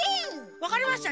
わかりました。